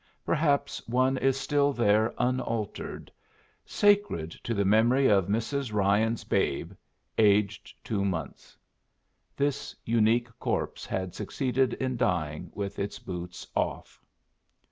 Perhaps one is still there unaltered: "Sacred to the memory of Mrs. Ryan's babe. Aged two months." This unique corpse had succeeded in dying with its boots off.